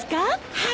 はい！